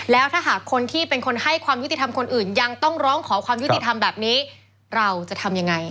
แล้วถ้าหากคนที่เป็นคนให้ความยุติธรรมคนอื่นยังต้องร้องขอความยุติธรรมแบบนี้เราจะทำยังไง